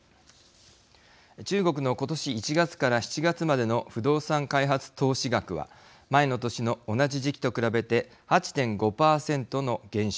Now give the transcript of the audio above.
中国の今年１月から７月までの不動産開発投資額は前の年の同じ時期と比べて８．５％の減少。